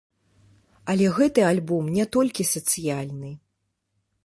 Але гэты альбом не толькі сацыяльны.